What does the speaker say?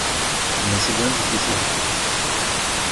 Mais c’est bien difficile.